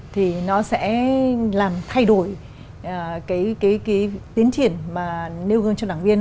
thì nó sẽ làm thay đổi tiến triển nêu gương cho đảng viên